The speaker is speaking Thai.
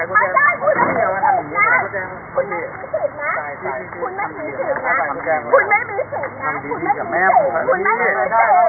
ขอบคุณที่ทำดีดีกับแม่ของฉันหน่อยครับ